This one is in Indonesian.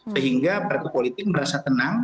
sehingga partai politik merasa tenang